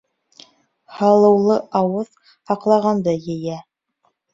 Һалыулы ауыҙ һаҡлағанды ейә.